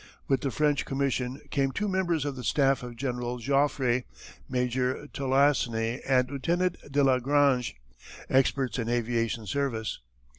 With the French commission came two members of the staff of General Joffre, Major Tulasne and Lieutenant de la Grange, experts in aviation service.